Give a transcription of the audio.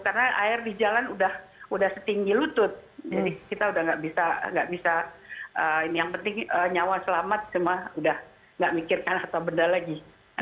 karena air di jalan sudah setinggi lutut jadi kita sudah enggak bisa yang penting nyawa selamat cuma enggak mikirkan atau benda lagi